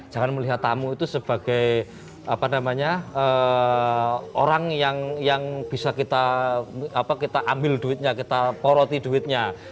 jangan melihat tamu itu sebagai apa namanya orang yang bisa kita apa kita ambil duitnya kita poroti duitnya